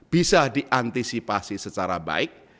bisa diantisipasi secara baik